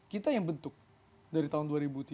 kita yang bentuk dari tahun dua ribu tiga belas